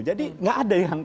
jadi nggak ada yang pengen